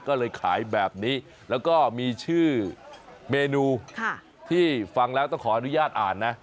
ก็เลยขายแบบนี้แล้วก็มีชื่อเมนูที่ฟังแล้วต้องขออนุญาตอ่านนะ